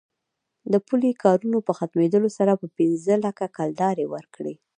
د پولې د کارونو په ختمېدلو سره به پنځه لکه کلدارې ورکړي.